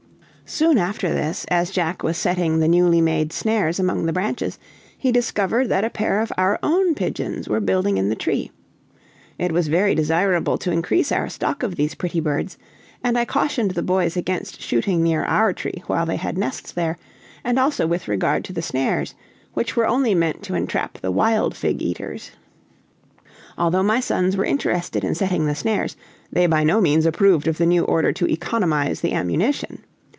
Soon after this, as Jack was setting the newly made snares among the branches, he discovered that a pair of our own pigeons were building in the tree. It was very desirable to increase our stock of these pretty birds, and I cautioned the boys against shooting near our tree while they had nests there, and also with regard to the snares, which were meant only to entrap the wild fig eaters. Although my sons were interested in setting the snares, they by no means approved of the new order to economize the ammunition.